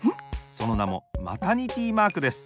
そのなもマタニティマークです。